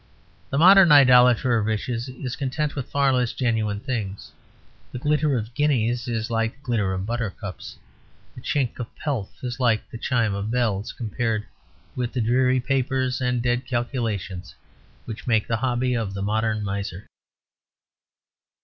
The modern idolater of riches is content with far less genuine things. The glitter of guineas is like the glitter of buttercups, the chink of pelf is like the chime of bells, compared with the dreary papers and dead calculations which make the hobby of the modern miser.